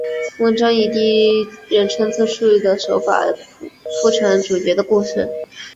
文章以第一人称自叙的手法铺陈主角的故事。